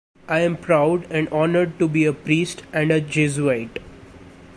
I am proud and honored to be a priest and a Jesuit.